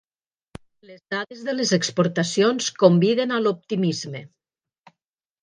Les dades de les exportacions conviden a l'optimisme